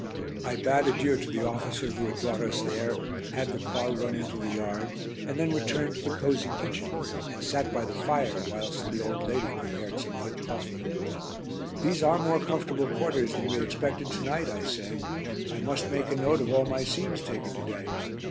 I bade adieu to the officer who had brought us there, had the car run into the yard, and then returned to the cosy kitchen, and sat by the fire whilst the old lady prepared some hot coffee. "These are more comfortable quarters than we expected to night," I said. "I must make a note of all my scenes taken to day.